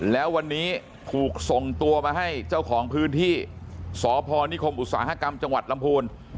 แล้ววันนี้ถูกส่งตัวมาให้เจ้าของพื้นที่สพนิคมอุตสาหกรรมจังหวัดลำพูน